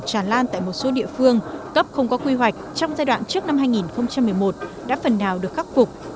tràn lan tại một số địa phương cấp không có quy hoạch trong giai đoạn trước năm hai nghìn một mươi một đã phần nào được khắc phục